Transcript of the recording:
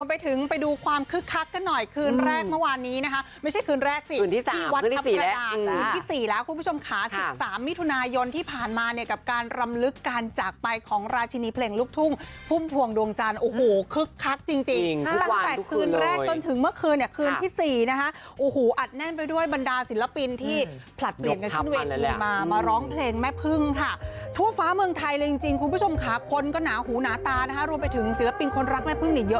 ไปถึงไปดูความคึกคักกันหน่อยคืนแรกเมื่อวานนี้นะฮะไม่ใช่คืนแรกสิคืนที่สามคืนที่สี่แล้วคืนที่สี่แล้วคุณผู้ชมค้าสิบสามมิถุนายนที่ผ่านมาเนี่ยกับการรำลึกการจากไปของราชินีเพลงลูกทุ่งพุ่มถวงดวงจันทร์โอ้โหคึกคักจริงจริงค่ะตั้งแต่คืนแรกต้นถึงเมื่อคืนเนี่ยคืนที่สี่นะฮะ